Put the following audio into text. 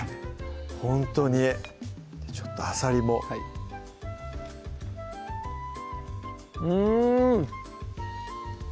ほんとにちょっとあさりもはいうん！